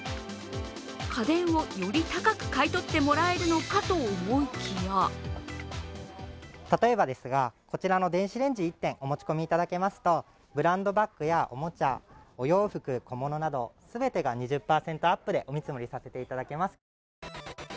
家電をより高く買い取ってもらえるのかと思いきや例えばですが、こちらの電子レンジ１点お持ち込みいただきますとブランドバッグやおもちゃ、お洋服小物など全てが２０％アップでお見積もりさせていただいています。